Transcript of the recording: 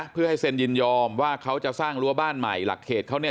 เพื่อให้เซ็นยินยอมว่าเขาจะสร้างรั้วบ้านใหม่หลักเขตเขาเนี่ย